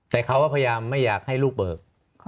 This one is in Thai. แต่เขาก็พยายามไม่อยากให้ลูกเบิก